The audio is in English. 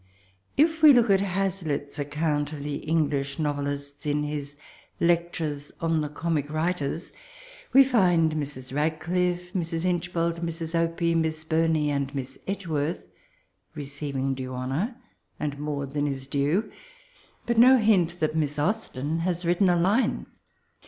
If we look at Hazlitt*s account :of the English norelists, in his Lectures en the Oomie Writers^ we find Mrs. Bad* clifl^ Mrs. lochbald, Mrs. Opie, Miss Bumey, and Miss Edgeworth receiv ing due honour, and more than is due; but no hint that Miss Austen has written a line.